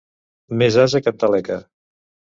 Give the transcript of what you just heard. Més ase que en Taleca.